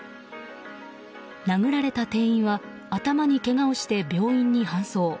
殴られた店員は頭にけがをして病院に搬送。